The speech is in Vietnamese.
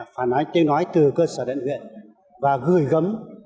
phải nói từ cơ sở đảng huyện và gửi gấm